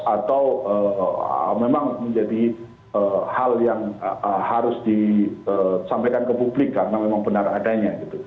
atau memang menjadi hal yang harus disampaikan ke publik karena memang benar adanya